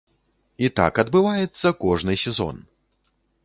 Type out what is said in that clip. І так адбываецца кожны сезон!